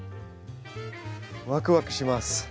ワクワクします。